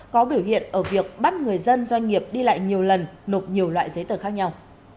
có biểu hiện ở việc bắt người dân doanh nghiệp đi lại nhiều lần nộp nhiều loại giấy tờ khác nhau